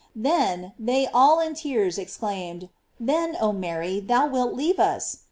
Then, they all in tears exclaimed, then, oh Mary, thou wilt leave us !